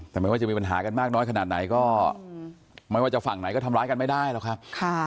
แต่ไม่ว่าจะมีปัญหากันมากน้อยขนาดไหนก็ไม่ว่าจะฝั่งไหนก็ทำร้ายกันไม่ได้หรอกครับ